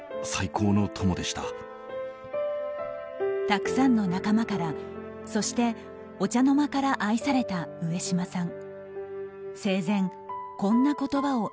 たくさんの仲間からそして、お茶の間から愛された上島さん。